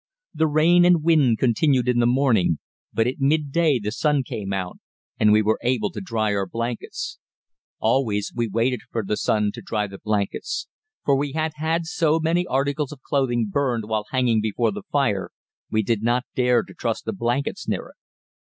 The rain and wind continued in the morning, but at midday the sun came out and we were able to dry our blankets. Always we waited for the sun to dry the blankets; for we had had so many articles of clothing burned while hanging before the fire we did not dare to trust the blankets near it.